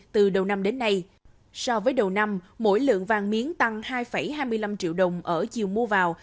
từ đầu năm đến nay so với đầu năm mỗi lượng vàng miếng tăng hai hai mươi năm triệu đồng ở chiều mua vào